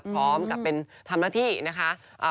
พร้อมกับเป็นธรรมนาคตินะคะ